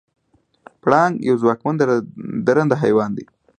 پړانګ یو ځواکمن درنده حیوان دی.